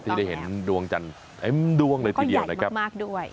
ที่ได้เห็นดวงจันทร์เต็มดวงเลยทีเดียวนะครับมากด้วย